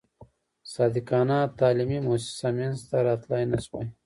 صادقانه تعلیمي موسسه منځته راتلای نه شوای.